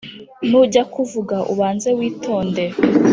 nujya kuvuga, ubanze witonde